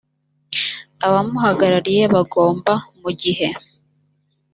abamuhagarariye bagomba mu gihe